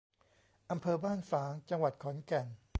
อำเภอบ้านฝาง จังหวัดขอนแก่น